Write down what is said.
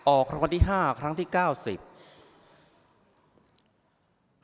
ออกคำวัติห้าครั้งที่แปดสิบเก้า